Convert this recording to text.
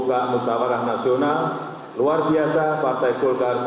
kami ingin meminta ketua umum dpp partai golkar